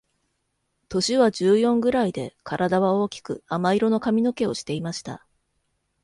年は十四ぐらいで、体は大きく亜麻色の髪の毛をしていました。